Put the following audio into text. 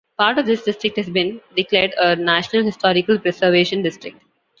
Part of this district has been declared a national historical preservation district.